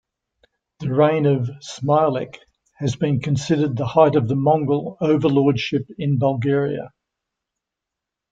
The reign of Smilec has been considered the height of Mongol overlordship in Bulgaria.